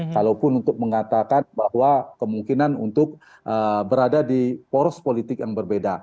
kalaupun untuk mengatakan bahwa kemungkinan untuk berada di poros politik yang berbeda